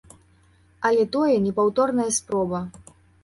Але тое непаўторная спроба.